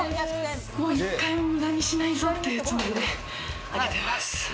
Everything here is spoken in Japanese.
１回も無駄にしないぞっていうつもりで上げてます。